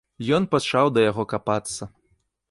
Ён пачаў да яго капацца.